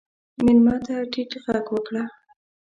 مېلمه ته ټیټ غږ وکړه.